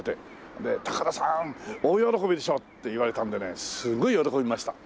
で「高田さん大喜びでしょ」って言われたんでねすごい喜びました。